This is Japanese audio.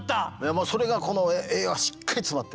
もうそれがこの栄養がしっかり詰まってる。